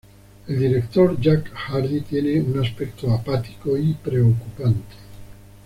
El director Jack Hardy tiene un aspecto apático y preocupante.